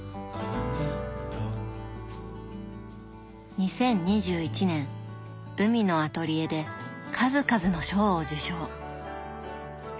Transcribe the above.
２０２１年「海のアトリエ」で数々の賞を受賞。